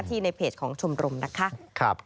ในเพจของชมรมนะคะ